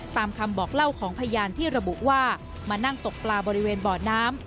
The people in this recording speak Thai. ตามคำบอกเล่าของพยานที่ระบุว่ามานั่งตกปลาบริเวณบ่อน้ำ